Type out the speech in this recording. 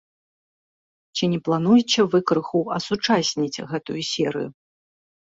Ці не плануеце вы крыху асучасніць гэтую серыю?